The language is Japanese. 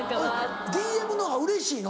ＤＭのほうがうれしいの？